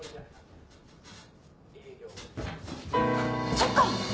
そっか！